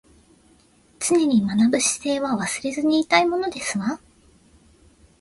常に学ぶ姿勢は忘れずにいたいものですわ